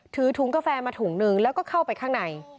ถือถุงกาแฟมาถุงนึงแล้วก็เข้าไปข้างใน